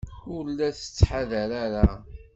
Ur la tettḥadar ara.